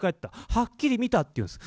はっきり見たっていうんです。